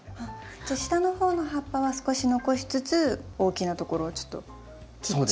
じゃあ下の方の葉っぱは少し残しつつ大きなところをちょっと切っちゃう。